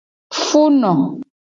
Funo.